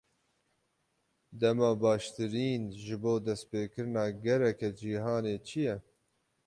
Dema baştirîn ji bo destpêkirina gereke cîhanî çi ye?